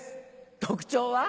特徴は？